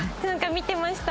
見てました。